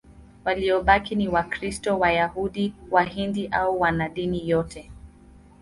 Waliobaki ni Wakristo, Wayahudi, Wahindu au hawana dini yote.